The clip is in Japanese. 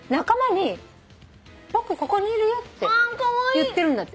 言ってるんだって。